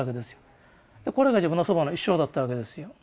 これが自分の祖母の一生だったわけですよ。